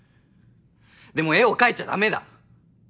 でも絵を描いちゃダメだ！